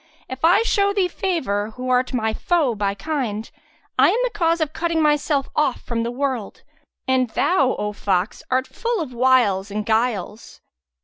If I show thee favour who art my foe by kind, I am the cause of cutting myself off from the world; and thou, O fox, art full of wiles and guiles.